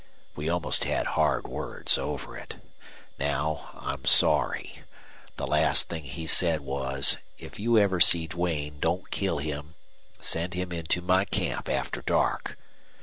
We almost had hard words over it. Now I'm sorry. The last thing he said was: 'If you ever see Duane don't kill him. Send him into my camp after dark!'